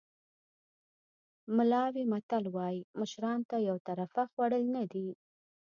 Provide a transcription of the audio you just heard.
ملاوي متل وایي مشرانو ته یو طرفه خوړل نه دي.